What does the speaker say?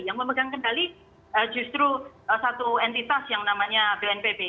yang memegang kendali justru satu entitas yang namanya bnpb